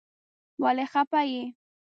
ولی خپه یی ؟